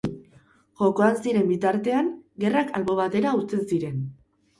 Jokoan ziren bitartean, gerrak albo batera uzten ziren.